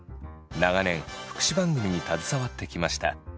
長年福祉番組に携わってきました。